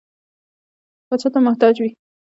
پاچا ته محتاج وي.